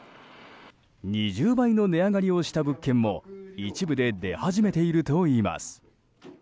２０倍の値上がりをした物件も一部で出始めているといいます。